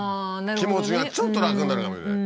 気持ちがちょっと楽になるかもしれない。